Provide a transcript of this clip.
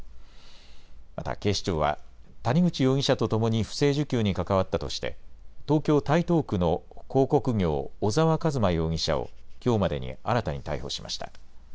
また警視庁は谷口容疑者とともに不正受給に関わったとして東京台東区の広告業、小澤一真容疑者をきょうまでに新たに逮捕しました。